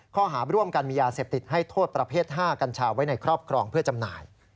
ข้อหาร่วมกันมียาเสพติดให้โทษประเภท๕กัญชาไว้ในครอบครองเพื่อจำหน่าย